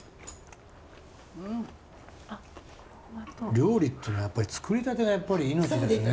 料理っていうのはやっぱり作りたてがやっぱり命ですね！